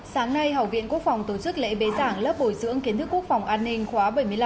sáng nay học viện quốc phòng tổ chức lễ bế giảng lớp bồi dưỡng kiến thức quốc phòng an ninh khóa bảy mươi năm